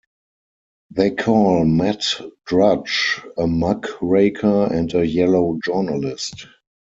They call Matt Drudge a muckraker and a yellow journalist.